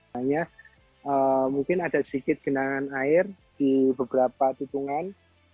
hanya mungkin ada sedikit genangan air di beberapa titungan